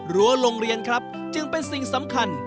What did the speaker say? รั้วโรงเรียนครับจึงเป็นสิ่งสำคัญ